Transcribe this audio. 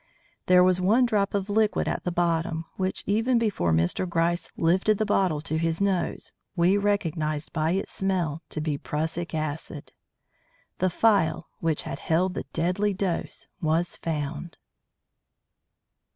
There was one drop of liquid at the bottom, which even before Mr. Gryce lifted the bottle to his nose we recognised by its smell to be prussic acid. The phial which had held the deadly dose was found.